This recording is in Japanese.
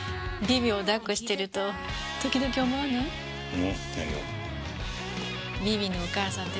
うん。